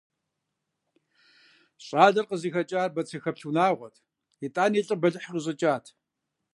ЩӀалэр къызыхэкӀар бацэхэплъ унагъуэт, итӀани лӀы бэлыхъ къищӀыкӀат.